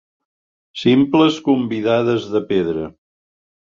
Simples convidades de pedra.